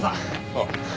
ああ。